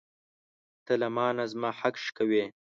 ته له مانه زما حق شوکوې.